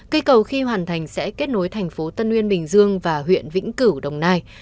cây cầu khi hoàn thành sẽ kết nối thành phố tân uyên bình dương và huyện vĩnh cửu đồng nai